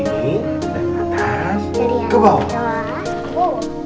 dari atas ke bawah